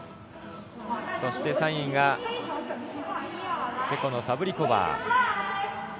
そして、３位がチェコのサブリコバー。